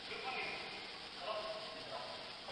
ولي مدام هڅاند د هوښیار انسان په پرتله برخلیک بدلوي؟